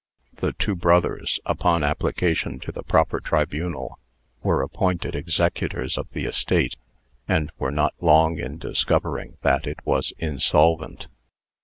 The two brothers, upon application to the proper tribunal, were appointed executors of the estate, and were not long in discovering that it was insolvent.